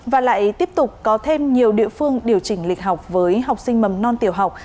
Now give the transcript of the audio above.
và lại tiếp tục có thêm nhiều địa phương điều chỉnh lịch học với học sinh mầm non tiểu học